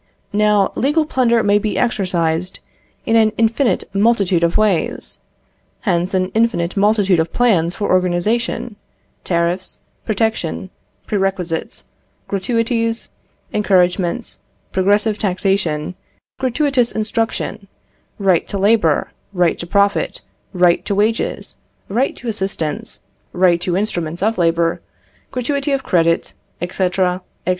Now, legal plunder may be exercised in an infinite multitude of ways. Hence come an infinite multitude of plans for organisation; tariffs, protection, perquisites, gratuities, encouragements, progressive taxation, gratuitous instruction, right to labour, right to profit, right to wages, right to assistance, right to instruments of labour, gratuity of credit, &c., &c.